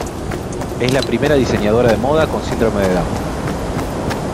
Es la primera diseñadora de moda con síndrome de Down.